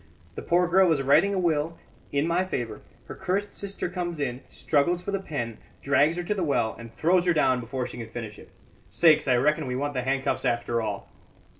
The poor girl is writing a will in my favour; her cursed sister comes in, struggles for the pen, drags her to the well, and throws her down before she can finish it. Sakes! I reckon we want the handcuffs after all."